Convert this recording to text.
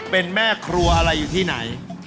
เป็นแม่ครัวอะไรอยู่ที่ไหน